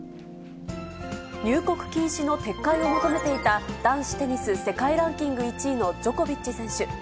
入国禁止の撤回を求めていた男子テニス世界ランキング１位のジョコビッチ選手。